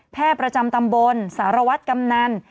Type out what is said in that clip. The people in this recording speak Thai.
ประจำตำบลสารวัตรกำนัน